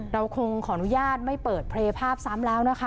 เราคงขออนุญาตไม่เปิดเพลย์ภาพซ้ำแล้วนะคะ